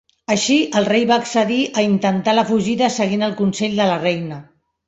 Així, el rei va accedir a intentar la fugida seguint el consell de la reina.